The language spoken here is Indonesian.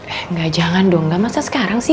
eh gak jangan dong gak masa sekarang sih